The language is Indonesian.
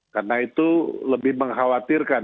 karena itu lebih mengkhawatirkan